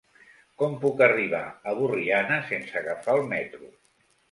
Com puc arribar a Borriana sense agafar el metro?